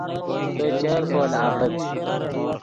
تو چر پول آڤڑیت